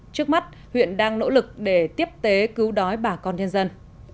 trước mắt huyện đang nỗ lực để tiếp tế cứu đói bà con nhân dân